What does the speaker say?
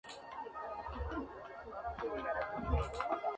Los enfrentamientos se llevaron adelante en el Congreso y sacudieron a la sociedad.